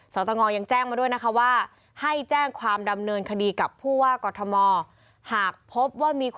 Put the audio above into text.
สอนตะงออย่างแจ้งมาด้วยนะคะว่าให้แจ้งความดำเนินคดีกับผู้ว่ากฎมอ